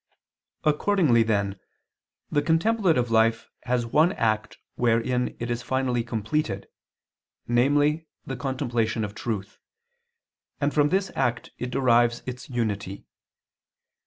Accordingly, then, the contemplative life has one act wherein it is finally completed, namely the contemplation of truth, and from this act it derives its unity.